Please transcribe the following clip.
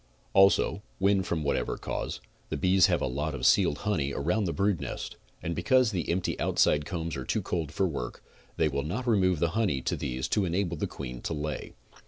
Also, when from whatever cause, the bees have a lot of sealed honey around the brood nest, and because the empty out side combs are too cold for work, they will not remove the honey to these to enable the queen to lay.